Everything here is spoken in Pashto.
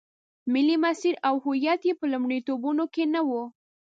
ملي مسیر او هویت یې په لومړیتوبونو کې نه و.